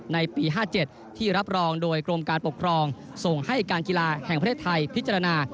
ในปี๕๗ที่รับรองโดยกรมการปกครองส่งให้การกีฬาแห่งประเทศไทยพิจารณา